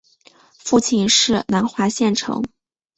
父亲是南华县丞。